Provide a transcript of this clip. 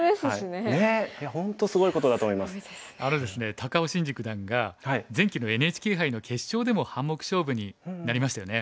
高尾紳路九段が前期のＮＨＫ杯の決勝でも半目勝負になりましたよね。